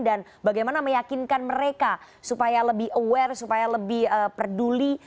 dan bagaimana meyakinkan mereka supaya lebih aware supaya lebih peduli